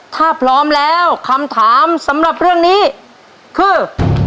ถ้าพร้อมแล้วคำถามสำหรับเรื่องนี้คือ